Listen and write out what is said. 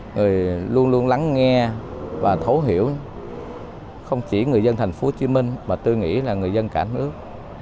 người luôn luôn lắng nghe và thấu hiểu không chỉ người dân thành phố hồ chí minh mà tôi nghĩ là người dân cả nước